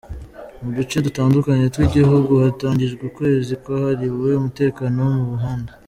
Mu duce dutandukanye tw’igihugu hatangijwe ukwezi kwahariwe umutekano wo mu muhanda.